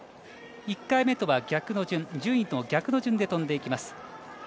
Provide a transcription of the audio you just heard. １回目とは逆の順順位と逆の順で飛んでいきます。